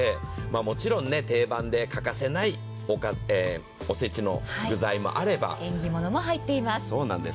もちろんね、定番で欠かせないおせちの具材もあれば、煮物も入っています。